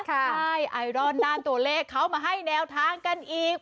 ใช่ไอดอลด้านตัวเลขเขามาให้แนวทางกันอีก